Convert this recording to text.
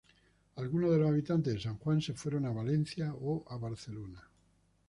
Algunos de los habitantes de San Juan se fueron a Valencia o a Barcelona.